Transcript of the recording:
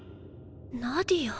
ナディア。